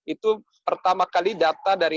itu pertama kali data dari